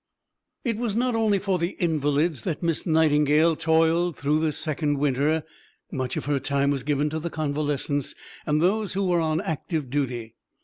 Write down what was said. " It was not only for the invalids that Miss Nightingale toiled through this second winter; much of her time was given to the convalescents and those who were on active duty.